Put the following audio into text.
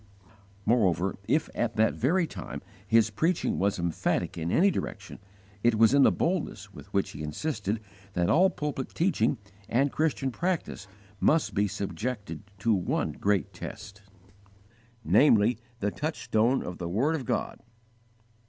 Moreover, if, at that very time, his preaching was emphatic in any direction, it was in the boldness with which he insisted that all pulpit teaching and Christian practice must be subjected to one great test, namely, _the touchstone of the word of God.